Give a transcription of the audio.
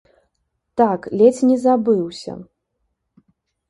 Так, ледзь не забыўся.